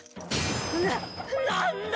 な何だ